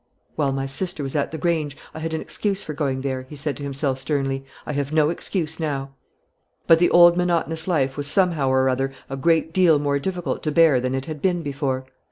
"While my sister was at the Grange, I had an excuse for going there," he said to himself sternly. "I have no excuse now." But the old monotonous life was somehow or other a great deal more difficult to bear than it had been before.